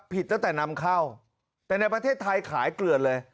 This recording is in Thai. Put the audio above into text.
ตั้งแต่นำเข้าแต่ในประเทศไทยขายเกลือดเลย